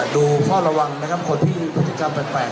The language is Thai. ดูเข้าระวังคนพิกัดแปลก